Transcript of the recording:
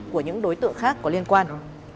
của những đối tượng khác có liên quan